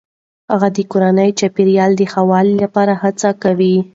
هغه د کورني چاپیریال د ښه والي لپاره هڅه کوي.